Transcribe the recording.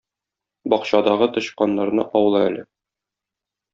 Бакчадагы тычканнарны аула әле.